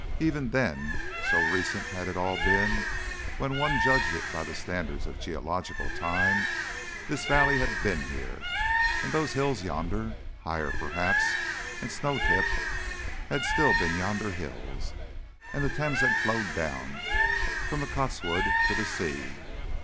Even then so recent had it all been when one judged it by the standards of geological time this valley had been here; and those hills yonder, higher, perhaps, and snow tipped, had still been yonder hills, and the Thames had flowed down from the Cotswolds to the sea.